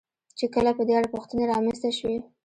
چې کله په دې اړه پوښتنې را منځته شوې.